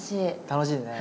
楽しいね。